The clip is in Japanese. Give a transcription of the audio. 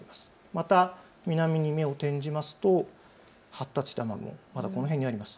また南に目を転じますと発達した雨雲、まだこの辺にあります。